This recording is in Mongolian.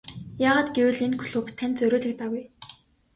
Яагаад гэвэл энэ клуб танд зориулагдаагүй.